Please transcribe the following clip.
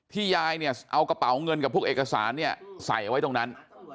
ยายเนี่ยเอากระเป๋าเงินกับพวกเอกสารเนี่ยใส่เอาไว้ตรงนั้น